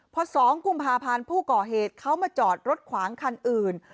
พอ๒กุมภาพันธ์ผู้ก่อเหตุเขามาจอดรถขวางคันอื่น